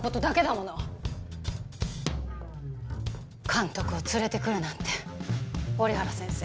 監督を連れてくるなんて折原先生。